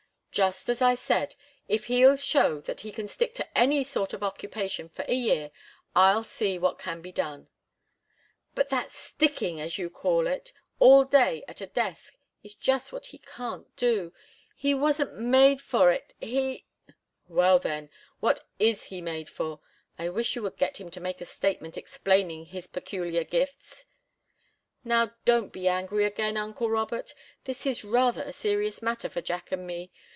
"Just as I said. If he'll show that he can stick to any sort of occupation for a year, I'll see what can be done." "But that sticking, as you call it all day at a desk is just what he can't do. He wasn't made for it, he " "Well then, what is he made for? I wish you would get him to make a statement explaining his peculiar gifts " "Now don't be angry again, uncle Robert! This is rather a serious matter for Jack and me.